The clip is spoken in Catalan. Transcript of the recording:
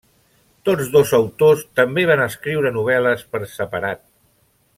Tots dos autors també van escriure novel·les per separat.